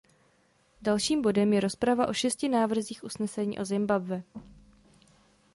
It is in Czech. Dalším bodem je rozprava o šesti návrzích usnesení o Zimbabwe.